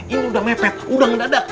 ini udah mepet udah ngedadak